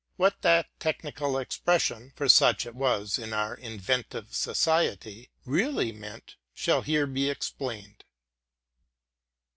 What that technical expression (for such it was in our in ventive society) really meant, shall here be explained.